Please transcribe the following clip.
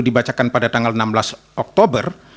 dibacakan pada tanggal enam belas oktober